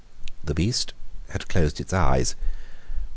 The beast had closed its eyes.